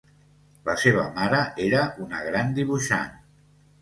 La seva mare era una gran dibuixant.